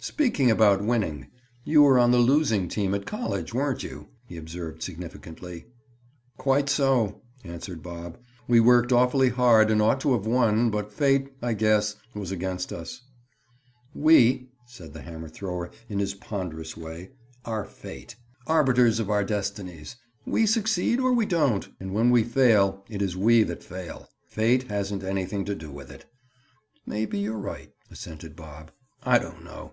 "Speaking about winning, you were on the losing team at college, weren't you?" he observed significantly. "Quite so!" answered Bob. "We worked awfully hard and ought to have won, but fate, I guess, was against us." "We," said the hammer man in his ponderous way, "are fate. Arbiters of our destinies! We succeed, or we don't. And when we fail, it is we that fail. Fate hasn't anything to do with it." "Maybe you're right," assented Bob. "I don't know.